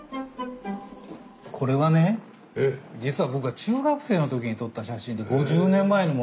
これはね実は僕が中学生の時に撮った写真で５０年前のものなんですけど。